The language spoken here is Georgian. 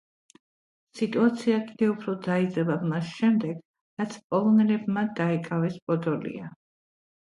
სიტუაცია კიდევ უფრო დაიძაბა მას შემდეგ რაც პოლონელებმა დაიკავეს პოდოლია.